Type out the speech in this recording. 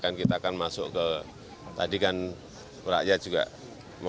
dan kita akan masuk ke tadi kan rakyat juga memohon